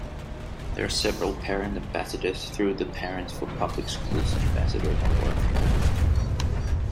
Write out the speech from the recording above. There are several parent ambassadors through the Parents for Public Schools Ambassador network.